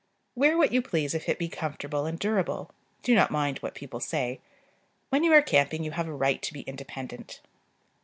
Wear what you please if it be comfortable and durable: do not mind what people say. When you are camping you have a right to be independent.